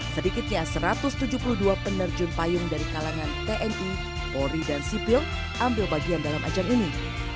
sedikitnya satu ratus tujuh puluh dua penerjun payung dari kalangan tni polri dan sipil ambil bagian dalam ajang ini